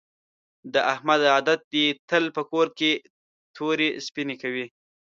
د احمد عادت دې تل په کور کې تورې سپینې کوي.